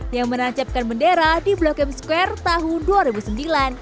yang menancapkan bendera di blok m square tahun dua ribu sembilan